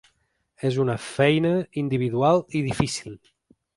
És una feina individual i difícil.